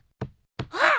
あっ！